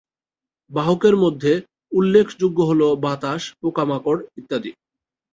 বাহকের মধ্যে উল্লেখযোগ্য হলো বাতাস, পোকামাকড় ইত্যাদি।